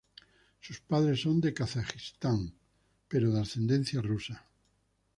Sus padres son de Kazajistán pero de ascendencia rusa.